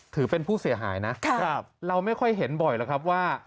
ถือเป็นผู้เสียหายนะเราไม่ค่อยเห็นบ่อยแล้วครับว่า